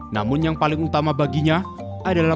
namun yang paling utama baginya adalah